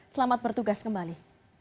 selamat bertugas kembali